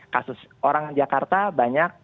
kasus orang jakarta banyak